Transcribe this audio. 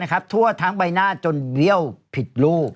เทือทั้งใบหน้าจนเวี่ยวผิดรูป